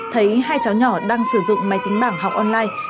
thấy hai cháu nhỏ đang sử dụng máy tính bảng học online